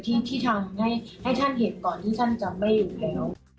ที่ทำให้ท่านเห็นก่อนที่ท่านจำไม่อยู่อยู่แล้ว